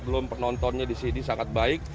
belum penontonnya di sini sangat baik